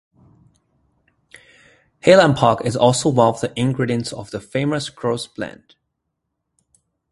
Highland Park is also one of the ingredients of The Famous Grouse blend.